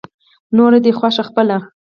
نوره دې خوښه خپله.